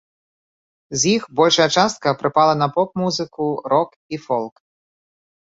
З іх большая частка прыпала на поп-музыку, рок і фолк.